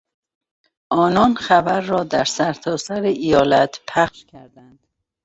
آنان خبر را در سرتاسر ایالت پخش کردند.